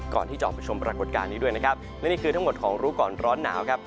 ก่อนที่จะออกไปชมปรากฏการณ์นี้ด้วยนะครับและนี่คือทั้งหมดของรู้ก่อนร้อนหนาวครับ